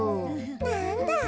なんだ。